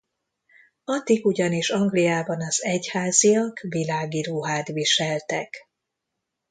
Addig ugyanis Angliában az egyháziak világi ruhát viseltek.